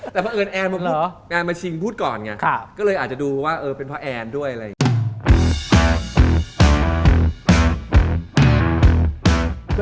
แต่เพราะเอิญแอนมาพูดแอนมาชิงพูดก่อนไงก็เลยอาจจะดูว่าเออเป็นเพราะแอนด้วยอะไรอย่างนี้